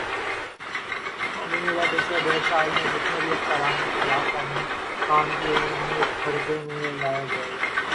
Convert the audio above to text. امید ہے پچھلے ڈیڑھ سال میں جتنے بھی افسران نے خلاف قانون کام کیے انہیں کٹہرے میں لایا جائے گا